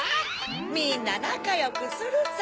みんななかよくするさ。